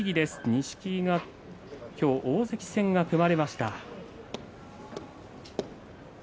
錦木が今日大関戦が組まれました。